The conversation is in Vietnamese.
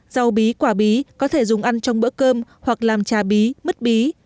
rau bí quả bí có thể dùng ăn trong bữa cơm hoặc làm trà bí mứt bí